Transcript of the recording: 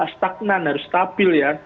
stagnan harus stabil ya